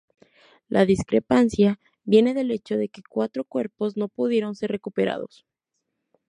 La discrepancia viene del hecho de que cuatro cuerpos no pudieron ser recuperados.